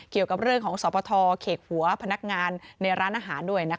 เกี่ยวกับเรื่องของสปทเขกหัวพนักงานในร้านอาหารด้วย